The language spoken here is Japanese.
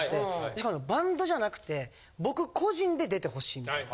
しかもバンドじゃなくて僕個人で出てほしいみたいな。